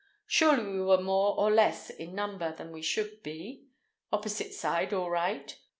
Surely we were more or less in number than we should be? Opposite side all right.